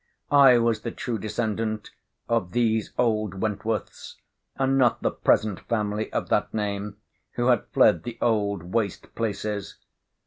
I was the true descendant of those old W——s; and not the present family of that name, who had fled the old waste places.